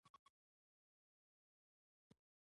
• خندېدل د مینې پل دی.